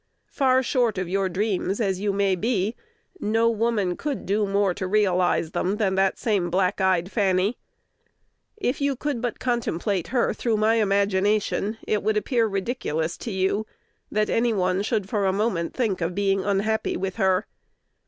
Far short of your dreams as you may be, no woman could do more to realize them than that same black eyed Fanny. If you could but contemplate her through my imagination, it would appear ridiculous to you that any one should for a moment think of being unhappy with her.